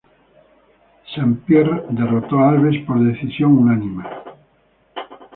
St-Pierre derrotó a Alves por decisión unánime.